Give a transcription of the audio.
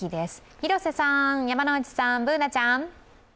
広瀬さん、山内さん、Ｂｏｏｎａちゃん。